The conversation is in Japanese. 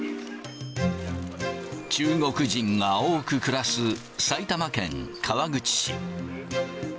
中国人が多く暮らす埼玉県川口市。